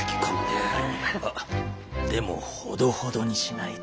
あっでもほどほどにしないと。